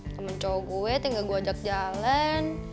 temen cowok gue tinggal gue ajak jalan